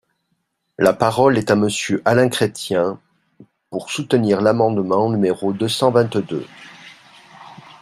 La parole est à Monsieur Alain Chrétien, pour soutenir l’amendement numéro deux cent vingt-deux.